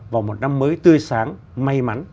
vào một năm mới tươi sáng may mắn